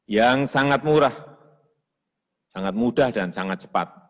yang sangat murah sangat mudah dan sangat cepat